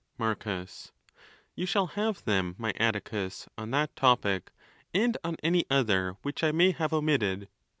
Marcus.—You shall have them, my Atticus, on that topic, and on any other which I may have omitted.